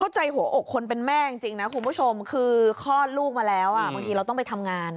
ใจหัวอกคนเป็นแม่จริงนะคุณผู้ชมคือคลอดลูกมาแล้วบางทีเราต้องไปทำงาน